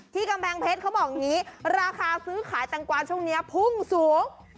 กำแพงเพชรเขาบอกอย่างนี้ราคาซื้อขายแตงกวาช่วงนี้พุ่งสูง